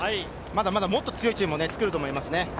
まだまだもっと強いチームを作ると思います。